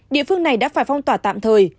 địa phương này đã phải phong tỏa tạm thời